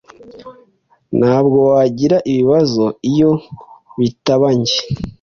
Ntabwo wagira ibibazo iyo bitaba njye.